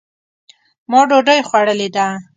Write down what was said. ما ډوډۍ خوړلې ده.